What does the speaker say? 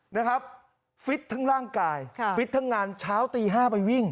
นะครับฟิตทั้งร่างกายค่ะฟิตทั้งงานเช้าตี๕ไปวิ่ง